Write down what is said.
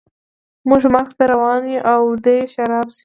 موږ مرګ ته روان یو او دی شراب څښي